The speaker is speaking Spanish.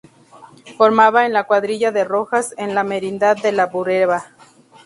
Formaba en la cuadrilla de Rojas, en la merindad de la Bureba.